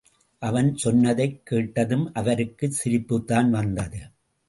அவன் சொன்னதைக் கேட்டதும் அவருக்கு சிரிப்புதான் வந்தது.